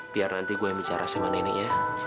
biar nanti gue yang bicara sama neneknya